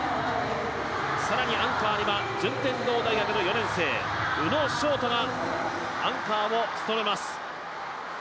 更にアンカーには順天堂大学の４年生宇野勝翔がアンカーを務めます。